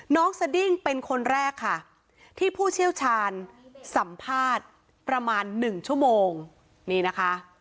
สดิ้งเป็นคนแรกค่ะที่ผู้เชี่ยวชาญสัมภาษณ์ประมาณ๑ชั่วโมงนี่นะคะ